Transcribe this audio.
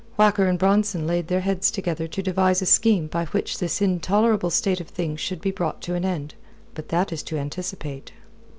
Whacker and Bronson laid their heads together to devise a scheme by which this intolerable state of things should be brought to an end. But that is to anticipate.